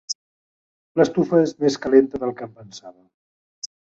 L'estufa és més calenta del que em pensava.